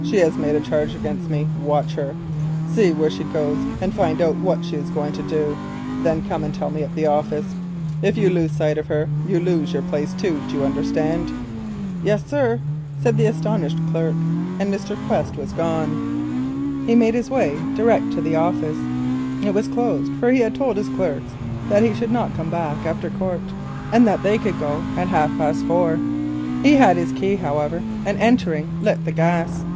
She has made a charge against me. Watch her. See where she goes to, and find out what she is going to do. Then come and tell me at the office. If you lose sight of her, you lose your place too. Do you understand?" "Yes, sir," said the astonished clerk, and Mr. Quest was gone. He made his way direct to the office. It was closed, for he had told his clerks he should not come back after court, and that they could go at half past four. He had his key, however, and, entering, lit the gas.